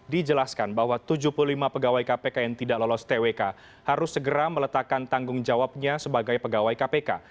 dijelaskan bahwa tujuh puluh lima pegawai kpk yang tidak lolos twk harus segera meletakkan tanggung jawabnya sebagai pegawai kpk